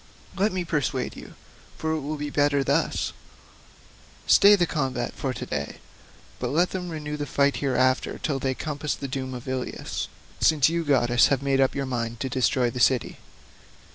Let me persuade you—for it will be better thus—stay the combat for to day, but let them renew the fight hereafter till they compass the doom of Ilius, since you goddesses have made up your minds to destroy the city."